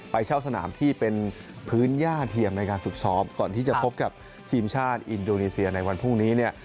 เช่าสนามที่เป็นพื้นย่าเทียมในการฝึกซ้อมก่อนที่จะพบกับทีมชาติอินโดนีเซียในวันพรุ่งนี้เนี่ย